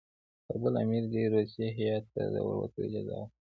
کابل امیر دي روسي هیات ته د ورتلو اجازه ورکړي.